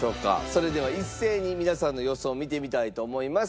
それでは一斉に皆さんの予想を見てみたいと思います。